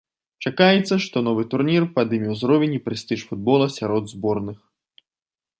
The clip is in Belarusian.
Чакаецца, што новы турнір падыме ўзровень і прэстыж футбола сярод зборных.